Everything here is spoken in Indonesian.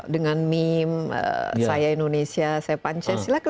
dengan meme saya indonesia saya pancasila